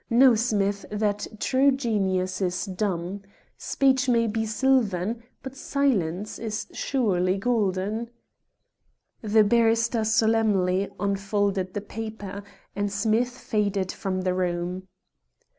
Know, Smith, that true genius is dumb. Speech may be silvern, but silence is surely golden." The barrister solemnly unfolded the paper, and Smith faded from the room.